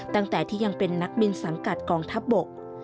ตั้งแต่ที่ยังเป็นนักบินสังกัดกองทัพบก